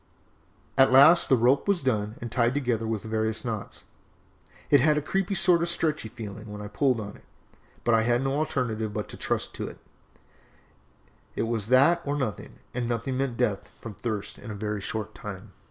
At last the rope was done and tied together with various knots. It had a creepy sort of stretchy feeling when I pulled on it, but I had no alternative but to trust to it, it was that or nothing, and nothing meant death from thirst in a very short time.